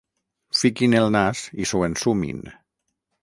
Fiquin el nas i s'ho ensumin.